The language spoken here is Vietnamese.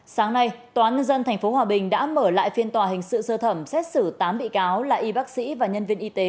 sáng nay tòa án nhân dân tp hòa bình đã mở lại phiên tòa hình sự sơ thẩm xét xử tám bị cáo là y bác sĩ và nhân viên y tế